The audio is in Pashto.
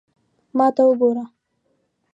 ما ته وګوره